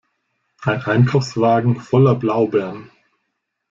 Ein Einkaufswagen voller Blaubeeren.